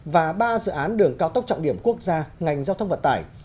và ba dự án đường cao tốc trọng điểm quốc gia ngành giao thông vận tải